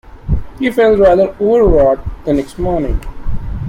He felt rather overwrought the next morning.